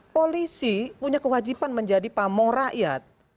polisi punya kewajiban menjadi pamoh rakyat